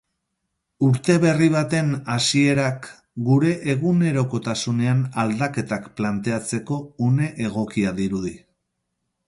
Urte berri baten hasierak gure egunerokotasunean aldaketak planteatzeko une egokia dirudi.